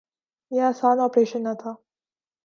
یہ آسان آپریشن نہ تھا۔